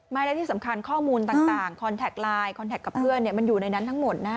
และที่สำคัญข้อมูลต่างคอนแท็กไลน์คอนแท็กกับเพื่อนมันอยู่ในนั้นทั้งหมดนะ